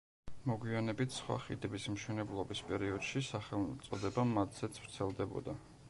მოგვიანებით სხვა ხიდების მშენებლობის პერიოდში სახელწოდება მათზეც ვრცელდებოდა.